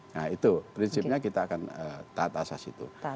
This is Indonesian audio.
nah itu prinsipnya kita akan taat asas itu